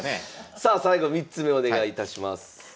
さあ最後３つ目お願いいたします。